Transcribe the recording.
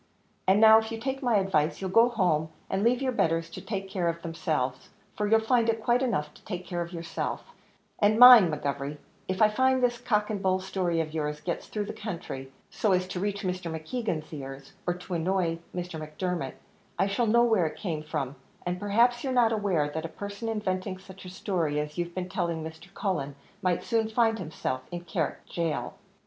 And now, if you'd take my advice, you'll go home, and leave your betters to take care of themselves, for you'll find it quite enough to take care of yourself; and mind, McGovery, if I find this cock and bull story of yours gets through the country, so as to reach Mr. Keegan's ears, or to annoy Mr. Macdermot, I shall know where it came from; and perhaps you're not aware, that a person inventing such a story as you've been telling Mr. Cullen, might soon find himself in Carrick Gaol."